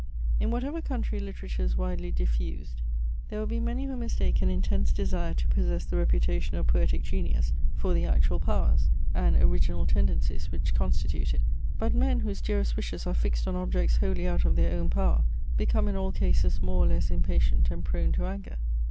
In whatever country literature is widely diffused, there will be many who mistake an intense desire to possess the reputation of poetic genius, for the actual powers, and original tendencies which constitute it. But men, whose dearest wishes are fixed on objects wholly out of their own power, become in all cases more or less impatient and prone to anger.